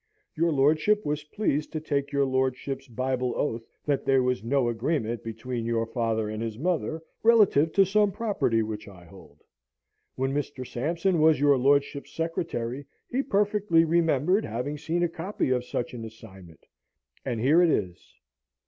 Your lordship was pleased to take your lordship's Bible oath, that there was no agreement between your father and his mother, relative to some property which I hold. When Mr. Sampson was your lordship's secretary, he perfectly remembered having seen a copy of such an assignment, and here it is."